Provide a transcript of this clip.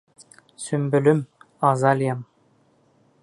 Сөмбөлөм, Азалиям...